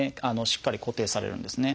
しっかり固定されるんですね。